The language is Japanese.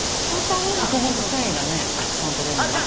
食物繊維がねたくさんとれるんです。